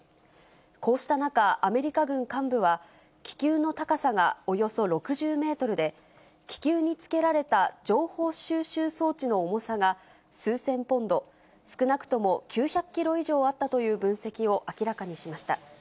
こうした中、アメリカ軍幹部は、気球の高さがおよそ６０メートルで、気球につけられた情報収集装置の重さが数千ポンド、少なくとも９００キロ以上あったという分析を明らかにしました。